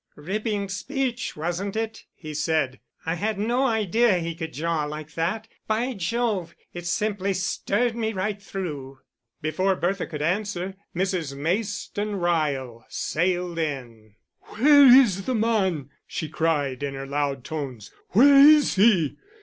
"Ripping speech, wasn't it?" he said. "I had no idea he could jaw like that. By Jove, it simply stirred me right through." Before Bertha could answer, Mrs. Mayston Ryle sailed in. "Where's the man?" she cried, in her loud tones. "Where is he?